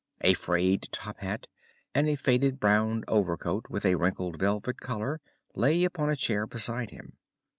A frayed top hat and a faded brown overcoat with a wrinkled velvet collar lay upon a chair beside him.